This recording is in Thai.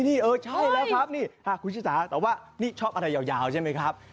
นี่เออใช่แล้วครับนี่คุณชิสาแต่ว่านี่ชอบอะไรยาวใช่ไหมครับ